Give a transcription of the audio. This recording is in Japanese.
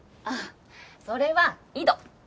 あっそれは井戸。